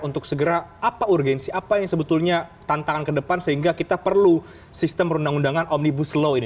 untuk segera apa urgensi apa yang sebetulnya tantangan ke depan sehingga kita perlu sistem perundang undangan omnibus law ini